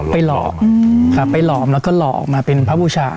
ไปหล่ออืมค่ะไปหล่อมแล้วก็หล่อมาเป็นพระพุชา